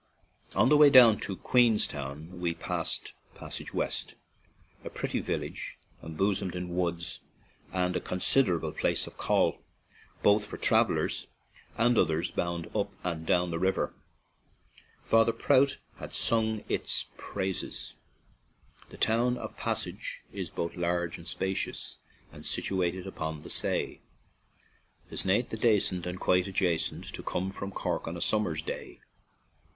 On the way down to Queenstown we passed Passage West, a pretty village em bosomed in woods, and a considerable place of call, both for travelers and others bound up and down the river. "Father Prout " has sung its praises: 134 CORK AND QUBBNSTOWN " The town of Passage is both large and spacious, And situated upon the say; Tis nate and dacent, and quite adjacent To come from Cork on a summer's day.